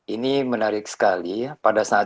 ini menarik sekali pada saat